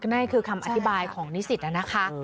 นั่นคือคำอธิบายของนิสิตนะคะ